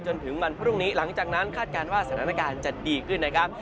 จนถึงวันพรุ่งนี้หลังจากนั้นคาดการณ์ว่าสถานการณ์จะดีขึ้นนะครับ